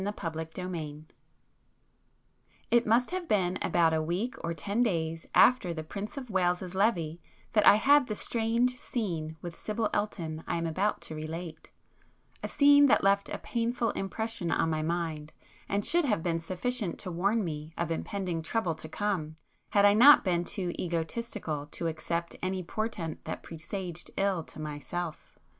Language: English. [p 193]XVII It must have been about a week or ten days after the Prince of Wales's Levée that I had the strange scene with Sibyl Elton I am about to relate; a scene that left a painful impression on my mind and should have been sufficient to warn me of impending trouble to come had I not been too egotistical to accept any portent that presaged ill to myself.